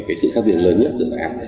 cái sự khác biệt lớn nhất giữa các hạng